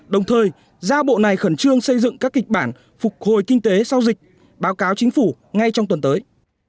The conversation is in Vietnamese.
đồng thời giao bộ này khẩn trương xây dựng các kịch bản phục hồi kinh tế sau dịch báo cáo chính phủ ngay trong tuần tới